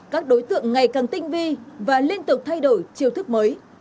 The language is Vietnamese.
các đối tượng ngày càng tinh vi và liên tục thay đổi chiêu thức mới